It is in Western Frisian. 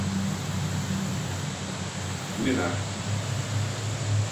Goenacht